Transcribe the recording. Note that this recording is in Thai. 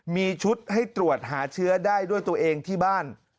มีชุดให้ตรวจหาเชื้อได้ด้วยตัวเองที่บ้าน